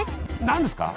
何ですか？